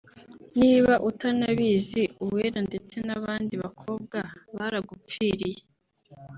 Niba utanabizi Uwera ndetse n’abandi bakobwa baragupfiriye “